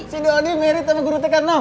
si dodi married sama guru tkt